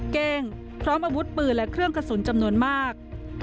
เก้งพร้อมอาวุธปืนและเครื่องกระสุนจำนวนมาก